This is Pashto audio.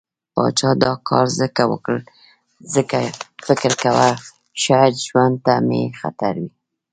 پاچا دا کار ځکه وکړ، ځکه فکر يې کوه شايد ژوند ته مې خطر وي.